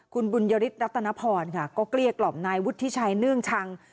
คุณบุญยฤทธรัตนพรค่ะก็เกลี้ยกล่อมนายวุฒิชัยเนื่องชัง